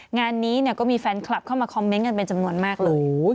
งานนี้ก็มีแฟนคลับเข้ามาคอมเมนต์กันเป็นจำนวนมากเลย